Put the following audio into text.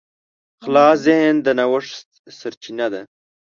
خلاص ذهن د نوښت سرچینه ده.